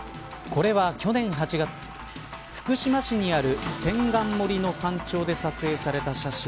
これは去年８月福島市にある千貫森の山頂で撮影された写真。